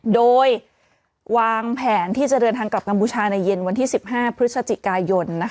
โดยวางแผนที่จะเดินทางกลับกัมพูชาในเย็นวันที่๑๕พฤศจิกายน